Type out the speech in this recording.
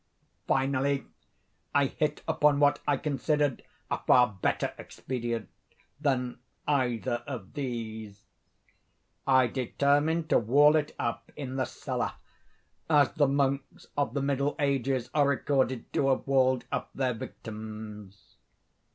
Finally I hit upon what I considered a far better expedient than either of these. I determined to wall it up in the cellar—as the monks of the middle ages are recorded to have walled up their victims.